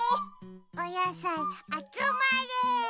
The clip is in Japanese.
おやさいあつまれ。